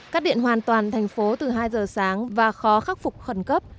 cắt điện hoàn toàn thành phố từ hai giờ sáng và khó khắc phục khẩn cấp